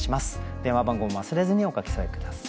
電話番号も忘れずにお書き添え下さい。